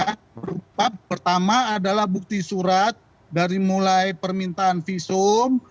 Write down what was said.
yang berupa pertama adalah bukti surat dari mulai permintaan visum